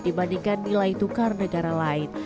dibandingkan nilai tukar negara lain